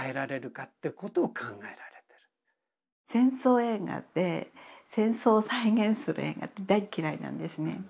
戦争映画って戦争を再現する映画って大嫌いなんですね。